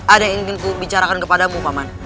ada yang ingin ku bicarakan kepadamu paman